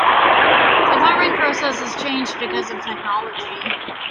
The farming process has changed because of technology.